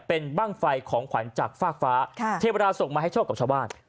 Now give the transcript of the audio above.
เป็นบ้างไฟของขวัญจากฟากฟ้าเทวดาส่งมาให้โชคกับชาวบ้าน